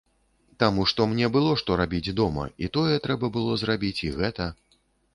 Таму што мне было што рабіць дома, і тое трэба было зрабіць, і гэта.